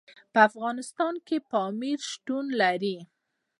په افغانستان کې پامیر شتون لري.